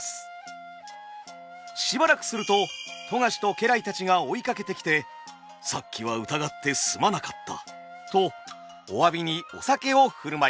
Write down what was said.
しばらくすると富樫と家来たちが追いかけてきて「さっきは疑ってすまなかった」とお詫びにお酒を振る舞います。